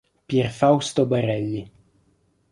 Pier Fausto Barelli.